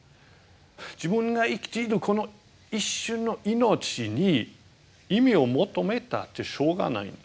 自分が生きているこの一瞬の命に意味を求めたってしょうがないんですね。